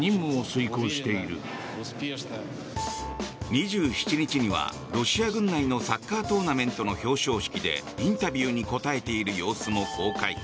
２７日には、ロシア軍内のサッカートーナメントの表彰式でインタビューに答えている様子も公開。